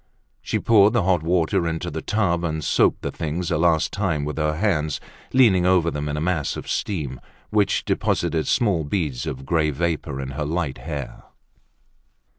She poured the hot water into the tub, and soaped the things a last time with her hands, leaning over them in a mass of steam, which deposited small beads of grey vapor in her light hair.